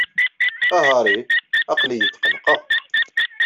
A Harry, aql-iyi tqellqeɣ.